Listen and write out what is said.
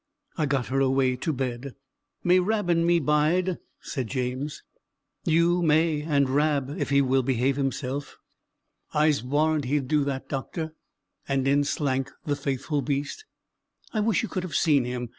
I got her away to bed. "May Rab and me bide?" said James. "You may; and Rab, if he will behave himself." "I'se warrant he's do that, doctor;" and in slank the faithful beast. I wish you could have seen him.